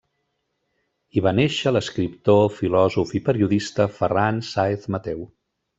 Hi va néixer l'escriptor, filòsof i periodista Ferran Sáez Mateu.